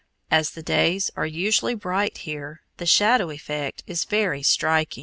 As the days are usually bright here, the shadow effect is very striking.